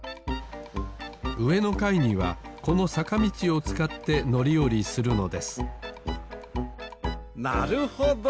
うえのかいにはこのさかみちをつかってのりおりするのですなるほど！